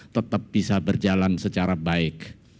tetap bisa berjalan secara baik